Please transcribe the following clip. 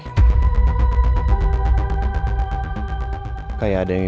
kau tuh baik tamu yang planetik ini